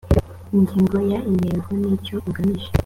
ingingo ya intego n icyo ugamije